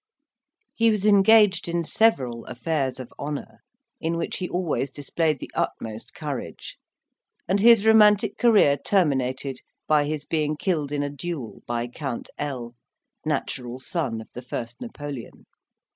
He was engaged in several affairs of honour, in which he always displayed the utmost courage; and his romantic career terminated by his being killed in a duel by Count L , natural son of the first Napoleon.